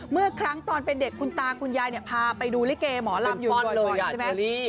เมื่อครั้งตอนเป็นเด็กคุณตาคุณยายเนี่ยพาไปดูลิเกย์หมอลำอยู่ด้วยด้วย